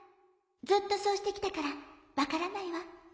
ずっとそうしてきたからわからないわ」。